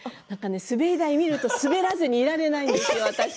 滑り台見ると滑らずにいられないんですよ。